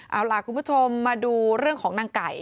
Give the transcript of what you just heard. เอาล่ะคุณผู้ชมมาดูเรื่องของนางไก่